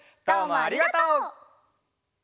どうもありがとう！